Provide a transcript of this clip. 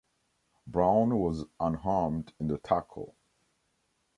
Brown was unharmed in the tackle.